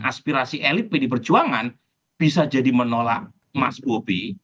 aspirasi elit pd perjuangan bisa jadi menolak mas bobi